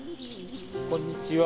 こんにちは。